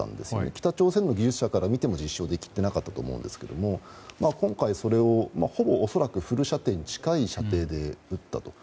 北朝鮮の技術者から見ても実証できていなかったと思うんですけど今回、それをほぼ恐らくフル射程に近い射程で撃ったと。